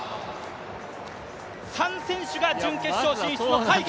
３選手が準決勝進出の快挙！